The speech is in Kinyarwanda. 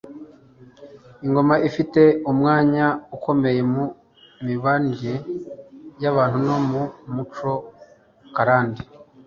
Ingoma ifite umwanya ukomeye mu mibanire y'abantu no mu muco karande.